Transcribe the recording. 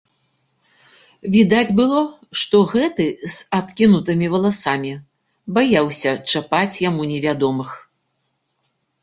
Відаць было, што гэты, з адкінутымі валасамі, баяўся чапаць яму невядомых.